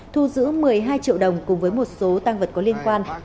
thu giữ một mươi hai triệu đồng cùng với một số tăng vật có liên quan